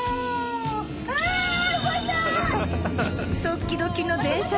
ドッキドキの電車